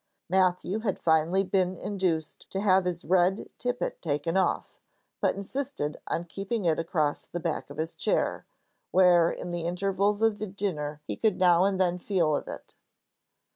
Matthew had finally been induced to have his red tippet taken off, but insisted on keeping it across the back of his chair, where in the intervals of the dinner he could now and then feel of it.